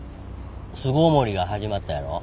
巣ごもりが始まったやろ？